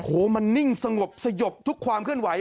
โอ้โหมันนิ่งสงบสยบทุกความเคลื่อนไหว